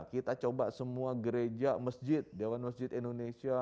kita coba semua gereja masjid dewan masjid indonesia